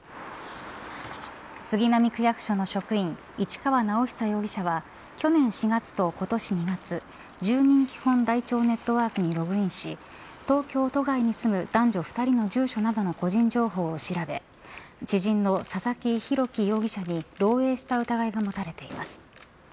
杉並区役所の職員市川直央容疑者は去年４月と今年２月住民基本台帳ネットワークにログインし東京都外に住む男女２人の住所などの個人情報を調べ知人の佐々木洋樹容疑者に漏えいした疑いが持たれています。